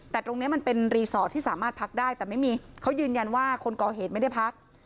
แต่ตรงนี้มันเป็นรีสอร์ทที่สามารถพักได้แต่ไม่มีเขายืนยันว่าคนก่อเหตุไม่ได้พัก